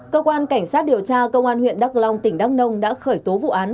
cơ quan cảnh sát điều tra công an huyện đắk long tỉnh đắk nông đã khởi tố vụ án